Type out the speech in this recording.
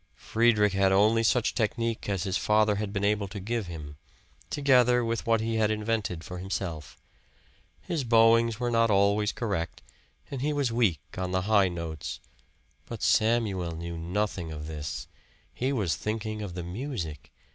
Friedrich had only such technique as his father had been able to give him, together with what he had invented for himself; his bowings were not always correct, and he was weak on the high notes; but Samuel knew nothing of this he was thinking of the music.